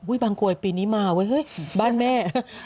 บางกรวยปีนี้มาเว้ยเฮ้ยบ้านแม่